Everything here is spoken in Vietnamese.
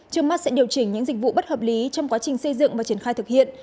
trước mắt sẽ điều chỉnh những dịch vụ bất hợp lý trong quá trình xây dựng và triển khai thực hiện